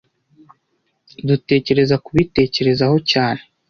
Dutekereza kubitekerezaho cyane